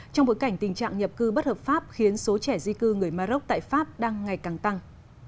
trong bối cảnh tình trạng nhập cư bất hợp pháp khiến số trẻ di cư người maroc tại pháp đang ngày càng tăng